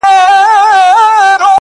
o ځيني خلک ستاينه کوي,